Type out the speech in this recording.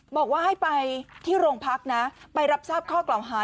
บอกว่าให้ไปที่โรงพักนะไปรับทราบข้อกล่าวหา